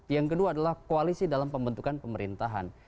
yang kedua adalah koalisi dalam pembentukan pemerintahan